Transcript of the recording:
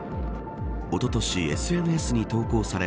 おととしＳＮＳに投稿され